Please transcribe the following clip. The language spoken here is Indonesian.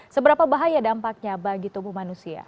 seberapa bahaya dampaknya bagi tubuh manusia